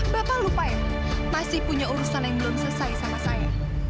bapak lupa ya masih punya urusan yang belum selesai sama saya